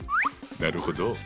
なるほど！